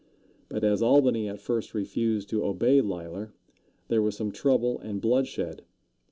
But as Albany at first refused to obey Leisler, there was some trouble and bloodshed.